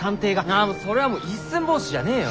ああそれはもう「一寸法師」じゃねえよ。